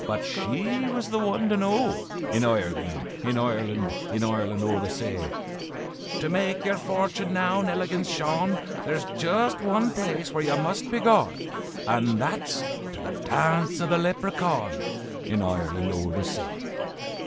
but she was the one to know, In Ireland, in Ireland, In Ireland o'er the say. 'To make your fortune now, Nelligan's Shaun, There's just one place where you must be gaun, And that's to the dance of the Leprechaun, In Ireland o'er the say.